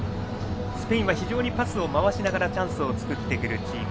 スペインは非常にパスを回しながらチャンスを作ってくるチーム。